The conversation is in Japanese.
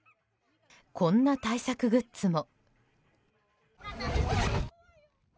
こんな対策グッズも。